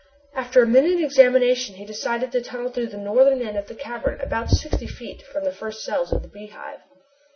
After a minute examination he decided to tunnel through the northern end of the cavern about sixty feet from the first cells of the Beehive.